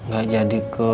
gak jadi ke